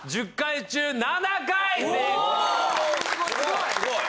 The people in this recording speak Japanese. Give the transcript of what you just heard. １０回中７回成功！